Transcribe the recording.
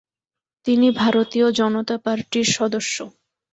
তিনি ভারতীয় জনতা পার্টির সদস্য।